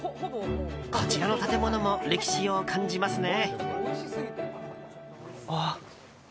こちらの建物も歴史を感じますね。